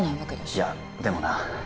いやでもな